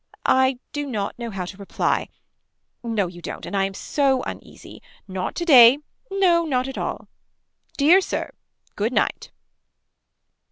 I do not know how to reply. No you don't and I am so uneasy. Not today. No not at all. Dear Sir. Good night.